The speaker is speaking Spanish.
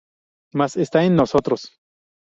Más está en nosotros